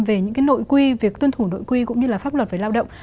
về những nội quy việc tuân thủ nội quy cũng như là pháp luật về lao động